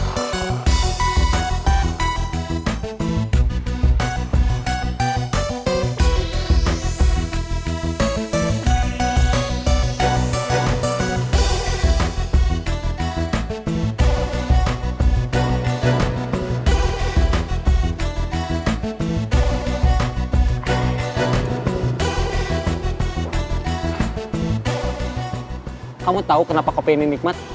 kamu tahu kenapa kopi ini nikmat